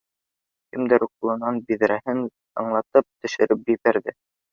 Кемдер ҡулынан биҙрәһен зыңлатып төшөрөп ебәрҙе